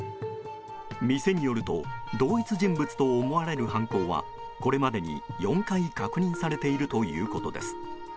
店によると同一人物と思われる犯行はこれまでに４回確認されているということです。